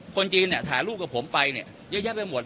ของจีนจะถ่ายรูปกับผมไปเนี่ยยะยะไปหมด